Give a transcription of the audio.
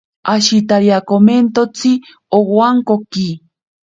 Ashitariamentotsi owankoki.